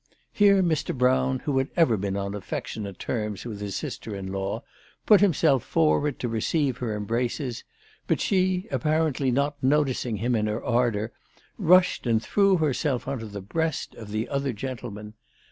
Here Mr. Brown, who had ever been on affectionate terms with his sister in law, put himself forward to receive her embraces ; but she, apparently not noticing him in her ardour, rushed on and threw herself on to the breast of the other gentleman.